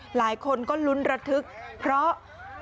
หลายคนก็ลุ้นระทึกเพราะ